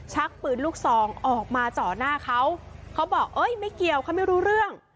ชักปืนลูกซองออกมาเจาะหน้าเขาเขาบอกเอ้ยไม่เกี่ยวเขาไม่รู้เรื่อง